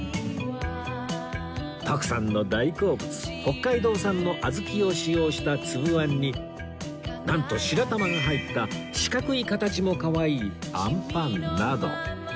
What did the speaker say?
徳さんの大好物北海道産の小豆を使用したつぶあんになんと白玉が入った四角い形もかわいいあんぱんなど